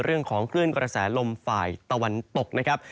เรื่องของคลื่นกระแสลมฝ่ายตะวันตกนะครับ